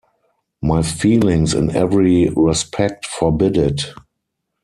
My feelings in every respect forbid it.